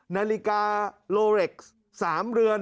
นาฬิกาโลเล็กซ์๓เรือน